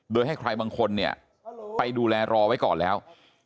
โดยให้ใครบางคนเนี่ยไปดูแลรอไว้ก่อนแล้ว